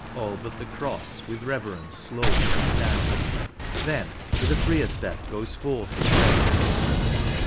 All but the cross, with reverence slow lays down ; Then with a freer step goes forth his way.